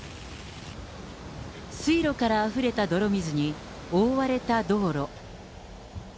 水路からあふれた泥水に覆われた道路。